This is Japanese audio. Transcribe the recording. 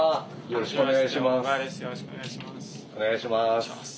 よろしくお願いします。